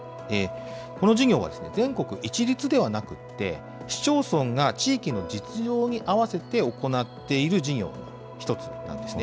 この事業は全国一律ではなくて、市町村が地域の実情に合わせて行っている事業の一つなんですね。